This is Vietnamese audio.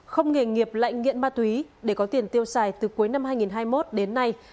không nghề nghiệp lại nghiện ma túy để có tiền tiêu xài từ cuối năm hai nghìn hai mươi một đến nay